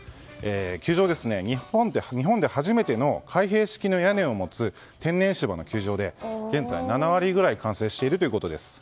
球場は日本で初めての開閉式の屋根を持つ天然芝の球場で現在、７割くらいが完成しているということです。